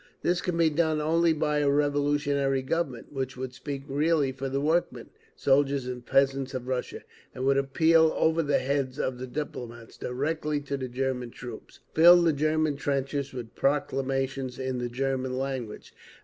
This can be done only by a revolutionary Government, which would speak really for the workmen, soldiers and peasants of Russia, and would appeal over the heads of the diplomats directly to the German troops, fill the German trenches with proclamations in the German language….